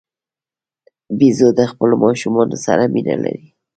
بیزو د خپلو ماشومانو سره مینه لري.